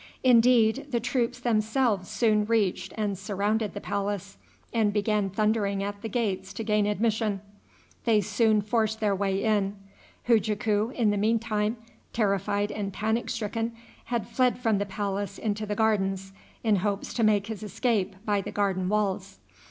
Indeed, the troops themselves soon reached and surrounded the palace, and began thundering at the gates to gain admission. They soon forced their way in. Hujaku, in the mean time, terrified and panic stricken, had fled from the palace into the gardens, in hopes to make his escape by the garden walls.